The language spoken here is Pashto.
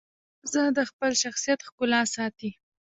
ښځه د خپل شخصیت ښکلا ساتي.